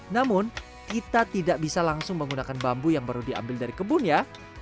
namun kita tidak bisa langsung menggunakan bambu yang baru diambil dari kebun ya